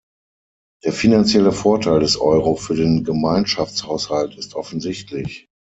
Der finanzielle Vorteil des Euro für den Gemeinschaftshaushalt ist offensichtlich.